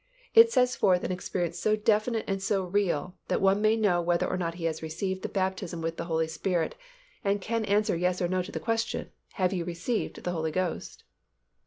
It sets forth an experience so definite and so real, that one may know whether or not he has received the baptism with the Holy Spirit, and can answer yes or no to the question, "Have you received the Holy Ghost?"